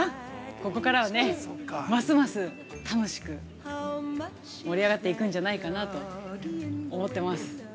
ここからはますます楽しく盛り上がっていくんじゃないかなと思っています。